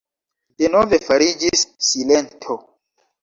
Denove fariĝis silento.